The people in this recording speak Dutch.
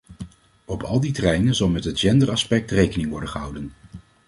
Op al die terreinen zal met het genderaspect rekening worden gehouden.